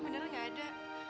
beneran tidak ada